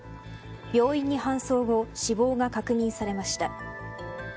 病院に搬送後死亡が確認されました。